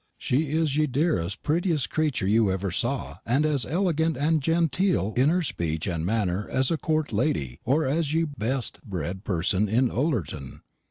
She is ye derest prittiest creture you ever saw, and as elegant and genteel in her speche and maner as a Corte lady, or as ye best bredd person in Ullerton.